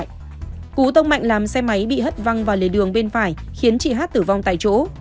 cú tông mạnh làm xe máy bị hất văng vào lề đường bên phải khiến chị hát tử vong tại chỗ